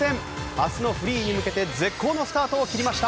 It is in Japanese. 明日のフリーに向けて絶好のスタートを切りました。